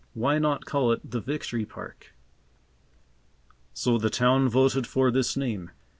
Why not call it the Victory Park? So the town voted for this name.